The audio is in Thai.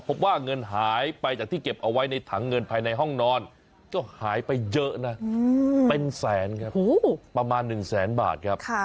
พบว่าเงินหายไปจากที่เก็บเอาไว้ในถังเงินภายในห้องนอนก็หายไปเยอะนะเป็นแสนครับประมาณ๑แสนบาทครับ